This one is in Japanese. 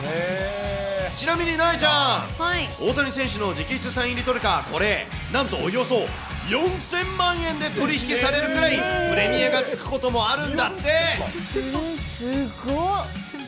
ちなみに、なえちゃん、大谷選手の直筆サイン入りトレカ、これ、なんとおよそ４０００万円で取り引きされるくらいプレミアがつくすごっ。